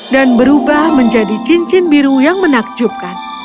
dan berubah menjadi cincin biru yang menakjubkan